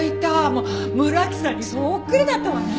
もう村木さんにそっくりだったわね。